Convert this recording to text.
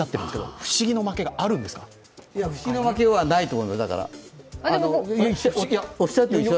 不思議の負けはないと思います。